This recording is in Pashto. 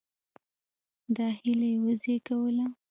دا هیله یې وزېږوله.